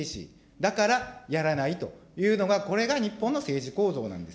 だからやらないというのが、これが日本の政治構造なんです。